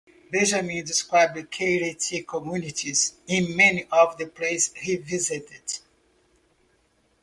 Benjamin describes Karaite communities in many of the places he visited.